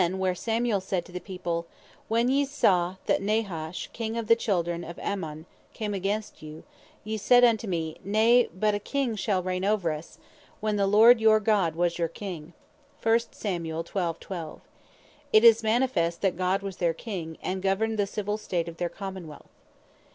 12.12.) where Samuel saith to the People, "When yee saw that Nahash King of the Children of Ammon came against you, ye said unto me, Nay, but a King shall reign over us, when the Lord your God was your King:" It is manifest that God was their King, and governed the Civill State of their Common wealth.